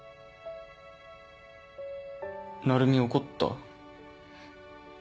成海怒った？